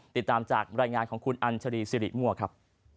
ติดตามจากรายงานของคุณอัญชรีสิริมั่วครับ